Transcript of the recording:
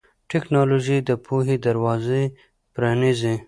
ټیکنالوژي د پوهې دروازې پرانیزي.